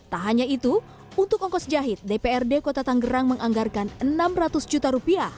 tak hanya itu untuk ongkos jahit dprd kota tanggerang menganggarkan rp enam ratus juta